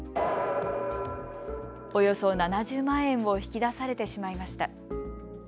およそ７０万円を引き出されてしまいました。